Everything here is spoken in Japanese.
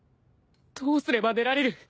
どうすれば出られる！？